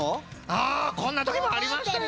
ああこんなときもありましたよ。